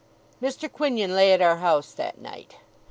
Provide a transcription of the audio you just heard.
Mr. Quinion lay at our house that night.